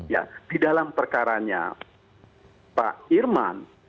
ya di dalam perkaranya pak irman